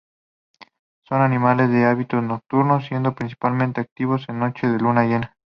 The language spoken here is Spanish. Son animales de hábitos nocturnos, siendo principalmente activos en noches de luna llena.